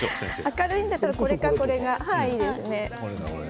明るいのだったらこれかこれがいいですね。